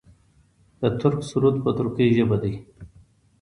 د ترک سرود په ترکۍ ژبه دی.